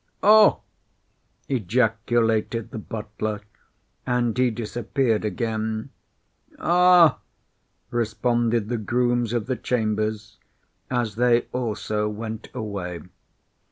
"Oh!" ejaculated the butler, and he disappeared again. "Ah!" responded the grooms of the chambers, as they also went away.